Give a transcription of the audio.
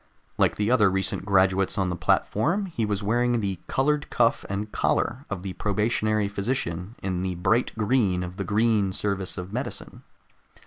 Like the other recent graduates on the platform, he was wearing the colored cuff and collar of the probationary physician, in the bright green of the Green Service of Medicine.